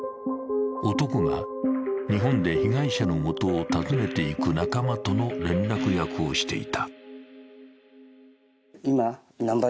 男が、日本で被害者のもとを訪ねていく仲間との連絡役をしていた。